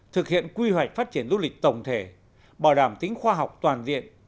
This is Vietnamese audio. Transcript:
thực hiện quy hoạch phát triển du lịch tổng thể bảo đảm tính khoa học toàn diện